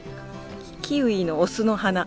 キウイのオスの花。